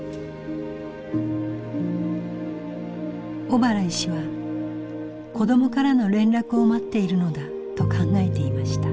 小原医師は「子どもからの連絡を待っているのだ」と考えていました。